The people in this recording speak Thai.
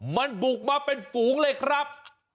มันบุกมาเป็นฝูงเลยครับ